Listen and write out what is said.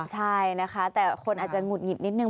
ใช่นะคะแต่คนอาจจะหงุดหงิดนิดนึ